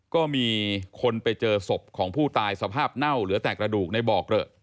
ก็มีคนไปเจอศพของผู้ตายสภาพเน่าเหลือแต่กระดูกในบ่อเกลอะ